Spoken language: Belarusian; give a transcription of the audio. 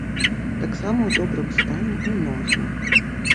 Таксама ў добрым стане і ножны.